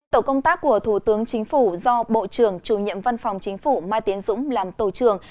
tổ công tác của thủ tướng chính phủ do bộ trưởng chủ nhiệm văn phòng chính phủ mai tiến dũng làm tổ trưởng